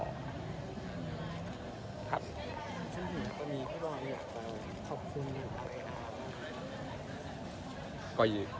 ครับพี่โอลูกชายอ่าขอบคุณ